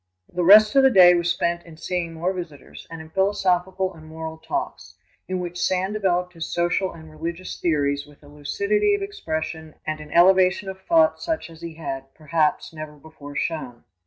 The rest of the day was spent in seeing more visitors and in philosophical and moral talks, in which Sand developed his social and religious theories with a lucidity of expression and an elevation of thought such as he had, perhaps, never before shown.